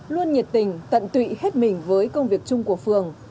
luôn nhiệt tình tận tụy hết mình với công việc chung của phường